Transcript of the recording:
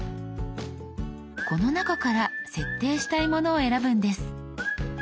この中から設定したいものを選ぶんです。